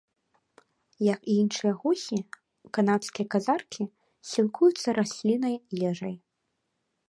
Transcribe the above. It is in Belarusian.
Як і іншыя гусі, канадскія казаркі сілкуюцца расліннай ежай.